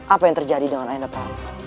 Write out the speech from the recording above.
apa yang terjadi dengan aina pram